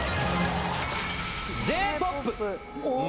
「Ｊ−ＰＯＰ」。